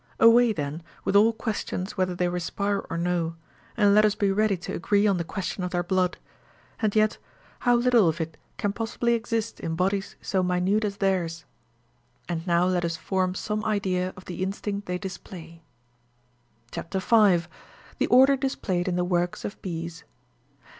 Away, then, with all questions whether they respire or no, and let us be ready to agree on the question of their blood ; and yet, how little of it can pos sibly exist in bodies so minute as theirs. — And now let us form some idea of the instinct they display. CHAP. 5. (6.) THE ORDER DISPLAYED IX THE WORKS OF BEES.